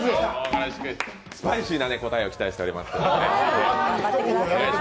スパイシーな答えを期待しております。